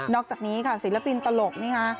อกจากนี้ค่ะศิลปินตลกนี่ฮะ